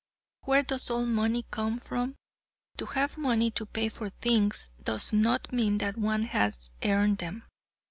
Where does all money come from? To have money to pay for things does not mean that one has earned them.